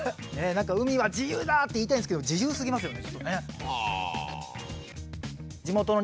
「海は自由だ！」って言いたいんですけど自由すぎますよね。